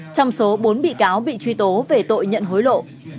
trong số bốn bị cáo bị truy tố về tội nhận hối lộ